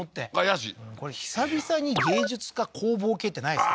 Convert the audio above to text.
椰子これ久々に芸術家工房系ってないですかね？